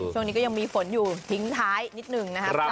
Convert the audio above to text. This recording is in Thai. ช่วงนี้ก็ยังมีฝนอยู่ทิ้งท้ายนิดหนึ่งนะครับ